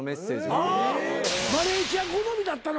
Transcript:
あマレーシア好みだったのか。